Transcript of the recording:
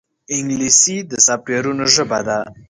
انګلیسي د سافټویرونو ژبه ده